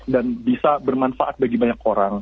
dan bisa bermanfaat bagi banyak orang